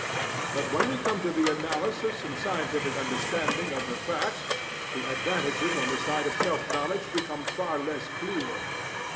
But when we come to the analysis and scientific understanding of the facts, the advantages on the side of self knowledge become far less clear.